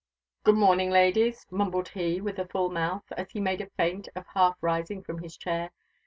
"Good morning, ladies," mumbled he with a full mouth, as he made a feint of half rising from his chair.